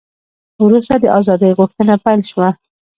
وروسته د ازادۍ غوښتنه پیل شوه.